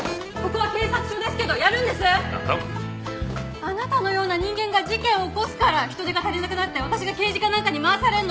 あなたのような人間が事件を起こすから人手が足りなくなって私が刑事課なんかに回されるの！